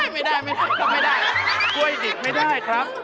ไม่ได้กล้วยดิดไม่ได้ครับ